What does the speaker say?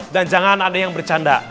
dan jangan ada yang bercanda